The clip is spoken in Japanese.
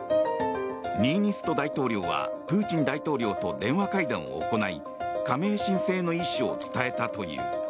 ニーニスト大統領はプーチン大統領と電話会談を行い加盟申請の意思を伝えたという。